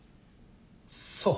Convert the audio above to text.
そう？